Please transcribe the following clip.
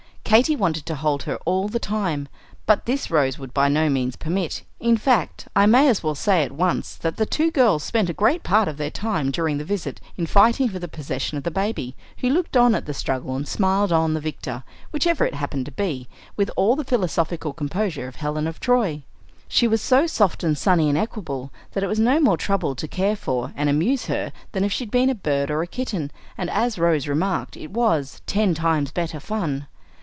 Katy wanted to hold her all the time; but this Rose would by no means permit; in fact, I may as well say at once that the two girls spent a great part of their time during the visit in fighting for the possession of the baby, who looked on at the struggle, and smiled on the victor, whichever it happened to be, with all the philosophic composure of Helen of Troy. She was so soft and sunny and equable, that it was no more trouble to care for and amuse her than if she had been a bird or a kitten; and, as Rose remarked, it was "ten times better fun."